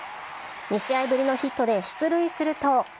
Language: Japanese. ２試合ぶりのヒットで出塁すると。